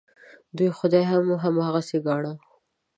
دوی خدای هم هماغسې ګاڼه.